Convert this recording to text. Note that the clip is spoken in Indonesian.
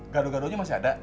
garo garonya masih ada